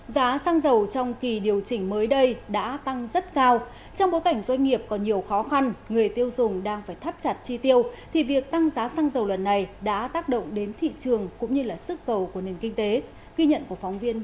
giá xăng dầu trong kỳ điều chỉnh mới đây đã tăng rất cao trong bối cảnh doanh nghiệp có nhiều khó khăn người tiêu dùng đang phải thắt chặt chi tiêu thì việc tăng giá xăng dầu lần này đã tác động đến thị trường cũng như là sức cầu của nền kinh tế